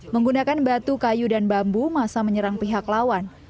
menggunakan batu kayu dan bambu masa menyerang pihak lawan